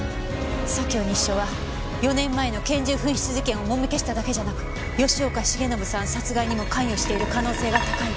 左京西署は４年前の拳銃紛失事件をもみ消しただけじゃなく吉岡繁信さん殺害にも関与している可能性が高いわ。